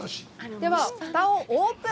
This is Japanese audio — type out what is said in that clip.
では、ふたをオープン！